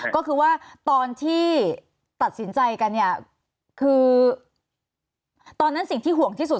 ก็คือว่าตอนที่ตัดสินใจกันเนี่ยคือตอนนั้นสิ่งที่ห่วงที่สุด